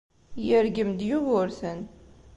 Yergem-d Yugurten.